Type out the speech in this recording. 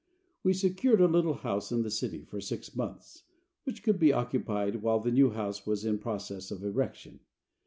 We secured a little house in the city for six months, which could be occupied while the new house was in process of erection.